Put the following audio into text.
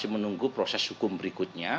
menunggu proses hukum berikutnya